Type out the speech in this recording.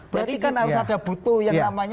berarti kan harus ada butuh yang namanya